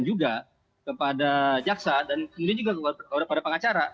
juga kepada jaksa dan kemudian juga kepada pengacara